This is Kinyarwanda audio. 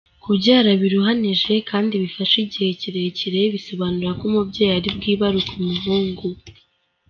Kubyara biruhanije kandi bifashe igihe kirekire, bisobanura ko umubyeyi ari bwibaruke umuhungu.